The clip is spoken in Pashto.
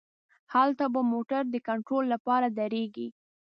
هلته به موټر د کنترول له پاره دریږي.